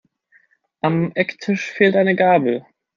Am Ecktisch fehlt eine Gabel.